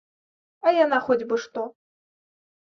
А яна хоць бы што!